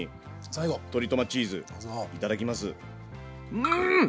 うん！